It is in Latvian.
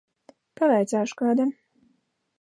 Pavaicāšu kādam.